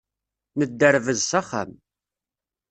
Nedderbez s axxam.